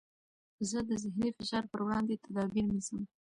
زه د ذهني فشار پر وړاندې تدابیر نیسم.